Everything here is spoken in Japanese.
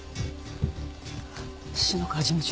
篠川事務長。